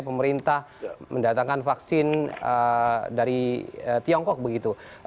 pemerintah mendatangkan vaksin dari tiongkok begitu